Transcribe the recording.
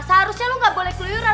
seharusnya lu gak boleh keluyuran